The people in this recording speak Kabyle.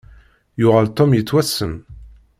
Yuɣal Tom yettwassen.